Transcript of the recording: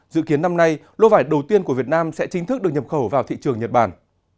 dự kiến năm nay lô vải đầu tiên của việt nam sẽ chính thức được nhập khẩu vào thị trường nhật bản